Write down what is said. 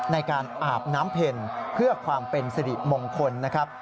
ในการอาบน้ำเพ็ญเพื่อความเป็นสิริมงคลนะครับ